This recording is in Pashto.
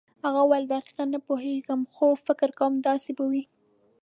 هغه وویل دقیقاً نه پوهېږم خو فکر کوم داسې به وي.